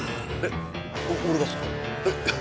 えっ？